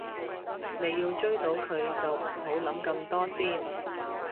你要追到佢就唔好諗咁多先